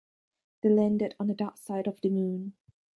They landed on the dark side of the moon.